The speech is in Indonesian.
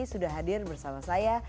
sudah hadir bersama saya